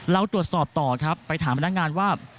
เราตรวจสอบต่อครับไปถามพนักงานว่า